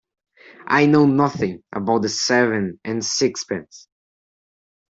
I know nothing about seven and sixpence.